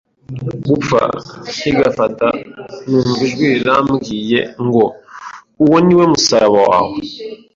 gupfa nkigafata numva ijwi rirambwiye ngo uwo niwe musaraba wawe